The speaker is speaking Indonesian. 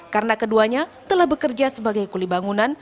karena keduanya telah bekerja sebagai kulibangunan